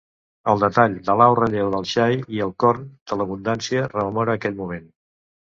El detall de l'alt relleu del xai i el corn de l'abundància rememora aquell moment.